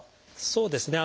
そうですね。